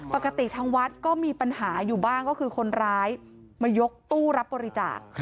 ปกติทางวัดก็มีปัญหาอยู่บ้างก็คือคนร้ายมายกตู้รับบริจาค